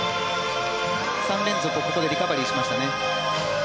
３連続をここでリカバリーしましたね。